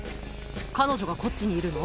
彼女がこっちにいるの？